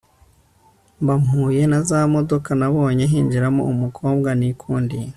mba mpuye nazamodoka nabonye hinjiramo umukobwa nikundiye